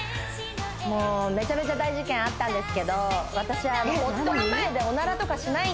もうめちゃめちゃ大事件あったんですけど私えらい！